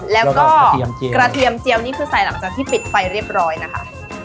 แล้วก็กระเทียมกระเทียมเจียวนี่คือใส่หลังจากที่ปิดไฟเรียบร้อยนะคะ